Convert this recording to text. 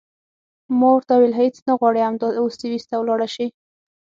ما ورته وویل هېڅ نه غواړې همدا اوس سویس ته ولاړه شې.